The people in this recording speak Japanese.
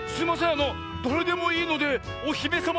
あのだれでもいいのでおひめさま